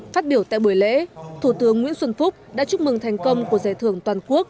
phát biểu tại buổi lễ thủ tướng nguyễn xuân phúc đã chúc mừng thành công của giải thưởng toàn quốc